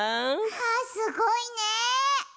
はあすごいね。